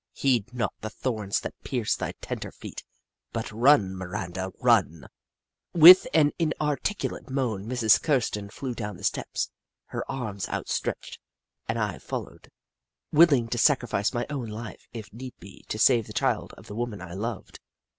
Heed not the thorns that pierce thy tender feet, but run, Miranda, run ! With an inarticulate moan, Mrs, Kirsten flew down the steps, her arms outstretched, and I followed, willing to sacrifice my own life, if need be, to save the child of the woman I loved.